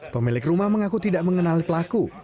pemilik rumah mengaku tidak mengenali pelaku